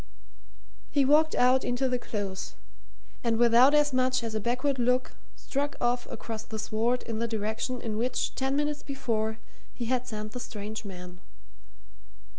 He walked out into the Close, and without as much as a backward look struck off across the sward in the direction in which, ten minutes before, he had sent the strange man.